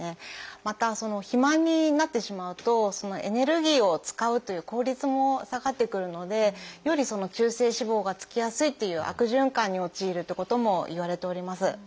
また肥満になってしまうとエネルギーを使うという効率も下がってくるのでより中性脂肪がつきやすいっていう悪循環に陥るっていうこともいわれております。